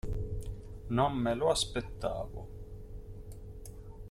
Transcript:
Non me lo aspettavo.